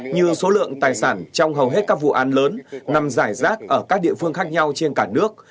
như số lượng tài sản trong hầu hết các vụ án lớn nằm giải rác ở các địa phương khác nhau trên cả nước